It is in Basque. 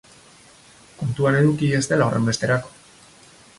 Kontuan eduki ez dela horrenbesterako.